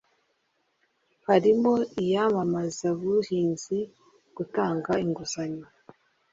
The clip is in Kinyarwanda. harimo iyamamazabuhinzi, gutanga inguzanyo,